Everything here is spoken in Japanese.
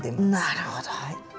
なるほど。